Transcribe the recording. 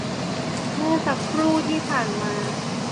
เมื่อสักครู่ที่ผ่านมา